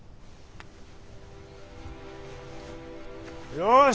よし！